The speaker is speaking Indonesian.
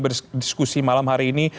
berdiskusi malam hari ini